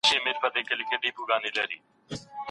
ږیره لرونکي سړي ډوډۍ او مڼه ونه راوړه.